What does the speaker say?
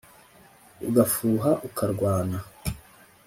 ugafuha ukarwana